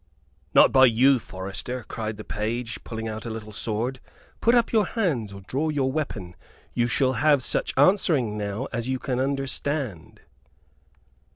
"Not by you, forester," cried the page, pulling out a little sword. "Put up your hands, or draw your weapon. You shall have such answering now as you can understand."